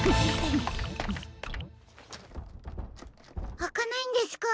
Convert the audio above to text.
あかないんですか？